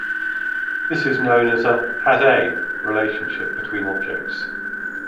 This is known as a "has-a" relationship between objects.